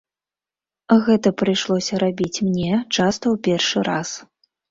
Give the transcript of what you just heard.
Гэта прыйшлося рабіць мне, часта ў першы раз.